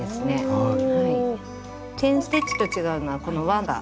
はい。